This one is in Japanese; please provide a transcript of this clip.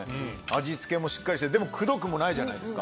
味付けもしっかりしてでもくどくもないじゃないですか。